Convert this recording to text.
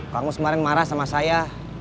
kamu kemarin marah sama saya